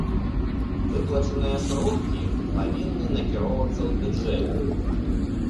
Выплачаныя сродкі павінны накіроўвацца ў бюджэт.